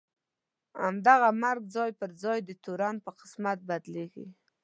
همدغه مرګ ځای پر ځای د تورن په قسمت بدلېږي.